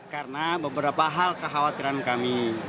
karena beberapa hal kekhawatiran kami